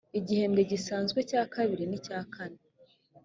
igihembwe gisanzwe cya kabiri n icya kane